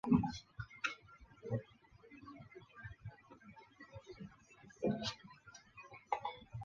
二庙乡是中国山东省临沂市苍山县下辖的一个乡。